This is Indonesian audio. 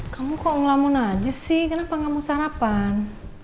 kamu kok ngelamun aja sih kenapa gak mau sarapan